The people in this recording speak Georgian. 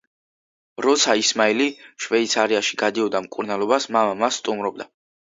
როცა ისმაილი შვეიცარიაში გადიოდა მკურნალობას მამა მას სტუმრობდა.